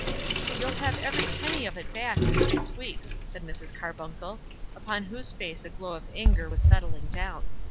"You'll have every penny of it back in six weeks," said Mrs. Carbuncle, upon whose face a glow of anger was settling down.